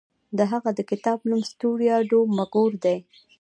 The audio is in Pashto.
د هغه د کتاب نوم ستوریا ډو مګور دی.